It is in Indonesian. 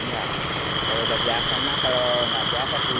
kalau biasa kalau nggak biasa bulan dulu ya